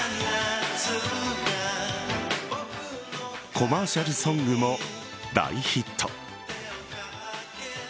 コマーシャルソングも大ヒット。